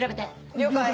了解！